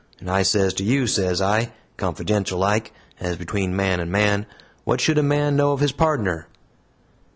and I sez to you, sez I confidential like, as between man and man 'What should a man know of his pardner?'"